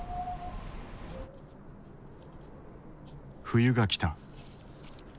冬が来た。